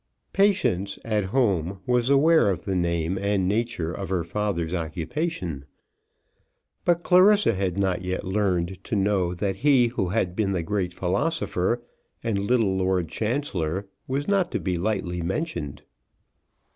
Patience, at home, was aware of the name and nature of her father's occupation, but Clarissa had not yet learned to know that he who had been the great philosopher and little Lord Chancellor was not to be lightly mentioned.